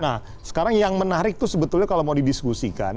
nah sekarang yang menarik tuh sebetulnya kalau mau didiskusikan